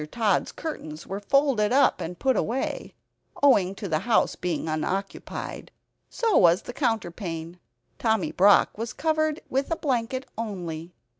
Tod's curtains were folded up, and put away, owing to the house being unoccupied. So was the counterpane. Tommy Brock was covered with a blanket only.)